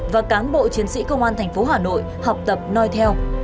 và cán bộ chiến sĩ công an tp hà nội học tập noi theo